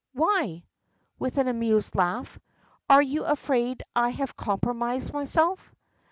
"Why?" with an amused laugh. "Are you afraid I have compromised myself?"